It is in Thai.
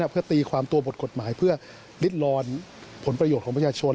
เพื่อตีความตัวบทกฎหมายเพื่อลิดลอนผลประโยชน์ของประชาชน